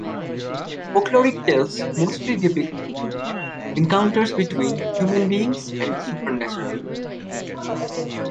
The folkloric tales mostly depict encounters between human beings and the supernatural.